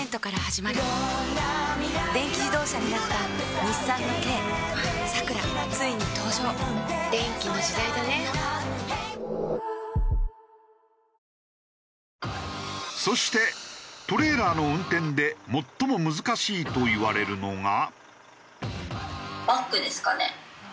すごい！そしてトレーラーの運転で最も難しいといわれるのが。